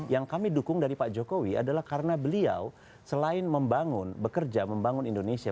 yang kami dukung dari pak jokowi adalah karena beliau selain membangun bekerja membangun indonesia